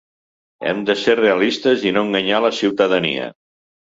Hem de ser realistes i no enganyar la ciutadania.